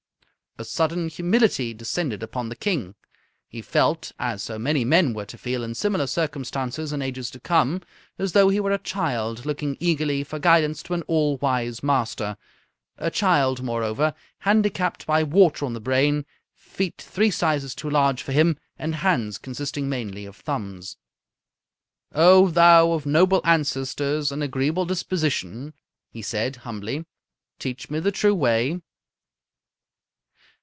A sudden humility descended upon the King. He felt, as so many men were to feel in similar circumstances in ages to come, as though he were a child looking eagerly for guidance to an all wise master a child, moreover, handicapped by water on the brain, feet three sizes too large for him, and hands consisting mainly of thumbs. "O thou of noble ancestors and agreeable disposition!" he said, humbly. "Teach me the true way."